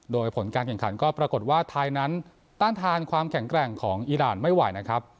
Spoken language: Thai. โดยผลการแข่งขันก็ปรากฏว่าไทยนั้นต้านทานความแข็งแกร่งของอีรานไม่ไหวนะครับ